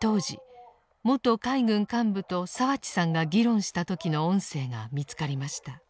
当時元海軍幹部と澤地さんが議論した時の音声が見つかりました。